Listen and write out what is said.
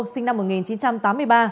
sinh năm một nghìn chín trăm tám mươi ba